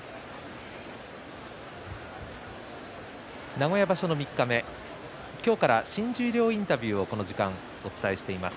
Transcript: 名古屋場所の三日目今日から新十両インタビューをこの時間、お伝えしています。